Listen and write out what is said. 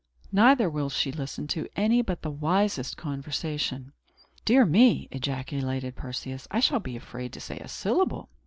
Neither will she listen to any but the wisest conversation." "Dear me!" ejaculated Perseus; "I shall be afraid to say a syllable."